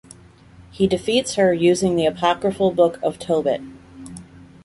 He defeats her using the Apocryphal Book of Tobit.